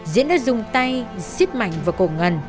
diễn đã dùng tay xít mạnh vào cổ ngân